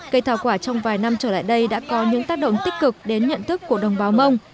cây thảo quả trong vài năm trở lại đây đã có những tác động tích cực đến nhận thức của đồng báo mông